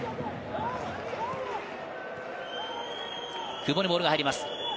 久保にボールが入ります。